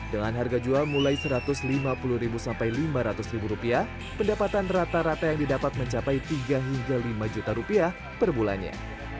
dengan harga jual mulai rp satu ratus lima puluh sampai lima ratus pendapatan rata rata yang didapat mencapai tiga hingga lima juta rupiah per bulannya